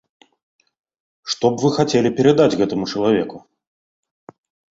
Што б вы хацелі перадаць гэтаму чалавеку?